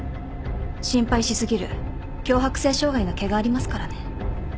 心配し過ぎる強迫性障害の気がありますからね。